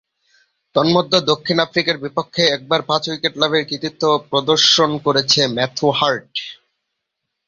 তন্মধ্যে, দক্ষিণ আফ্রিকার বিপক্ষে একবার পাঁচ-উইকেট লাভের কৃতিত্ব প্রদর্শন করেছেন ম্যাথু হার্ট।